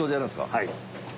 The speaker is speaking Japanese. はい。